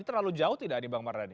terlalu jauh tidak nih bang mardhani